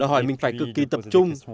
đòi hỏi mình phải cực kỳ tập trung